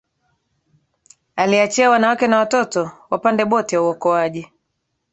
aliachia wanawake na watoto wapande boti ya uokoaji